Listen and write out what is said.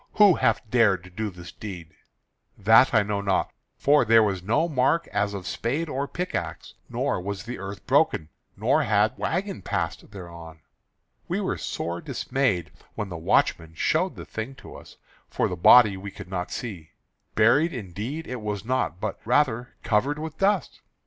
Who hath dared to do this deed?" "That I know not, for there was no mark as of spade or pick axe; nor was the earth broken, nor had wagon passed thereon. We were sore dismayed when the watchman showed the thing to us; for the body we could not see. Buried indeed it was not, but rather covered with dust.